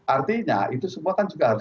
artinya itu semua kan juga harus